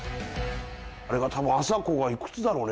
あれは多分あさこがいくつだろうね？